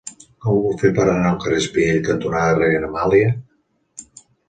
Com ho puc fer per anar al carrer Espiell cantonada Reina Amàlia?